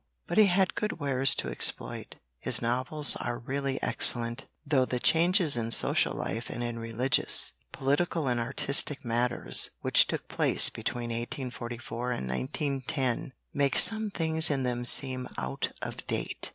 But he had good wares to exploit. His novels are really excellent, though the changes in social life and in religious, political and artistic matters, which took place between 1844 and 1910, make some things in them seem out of date.